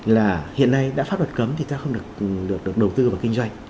là hiện nay đã pháp luật cấm thì ta không được đầu tư vào kinh doanh